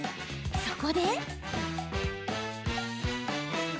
そこで。